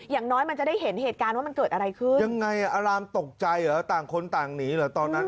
อย่างน้อยมันจะได้เห็นเหตุการณ์ว่ามัน